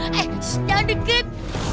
aaaaahhh jangan dikit